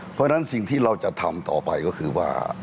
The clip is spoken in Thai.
เพราะฉะนั้นสิ่งที่เราจะทำต่อไปก็คือว่า